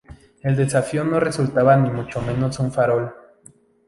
El desafío no resultaba ni mucho menos un farol.